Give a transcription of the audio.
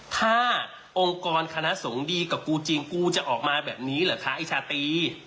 ถ้าองค์กรคณะสงฆ์ดีกับกูจริงกูจะออกมาแบบนี้เหรอคะไอ้ชาตรี